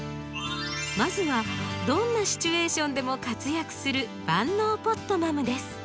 まずはどんなシチュエーションでも活躍する万能ポットマムです。